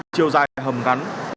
chiều dài hầm gắn